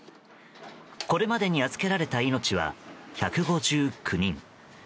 これまでに預けられた命は１５９人。